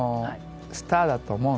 スターだと思う。